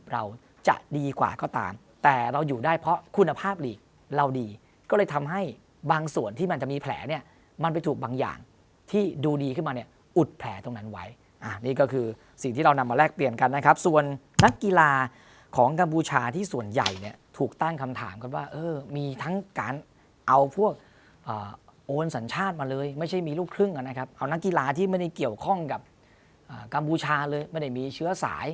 เราจะดีกว่าก็ตามแต่เราอยู่ได้เพราะคุณภาพหลีกเราดีก็เลยทำให้บางส่วนที่มันจะมีแผลเนี่ยมันไปถูกบางอย่างที่ดูดีขึ้นมาเนี่ยอุดแผลตรงนั้นไว้นี่ก็คือสิ่งที่เรานำมาแลกเปลี่ยนกันนะครับส่วนนักกีฬาของกัมพูชาที่ส่วนใหญ่เนี่ยถูกตั้งคำถามกันว่าเออมีทั้งการเอาพวกโอนสัญชาติมาเลยไม่ใช่มีลูกครึ่